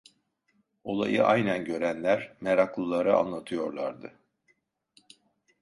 Olayı aynen görenler meraklılara anlatıyorlardı.